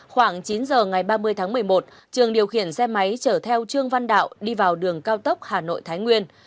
khoảng chín giờ ngày ba mươi tháng một mươi một trường điều khiển xe máy chở theo trương văn đạo đi vào đường cao tốc hà nội thái nguyên